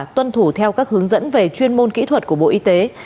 tuân thủ theo các hướng dẫn về chuyên môn kỹ thuật của bộ y tế